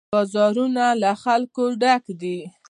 بازارونه له خلکو ډک وي.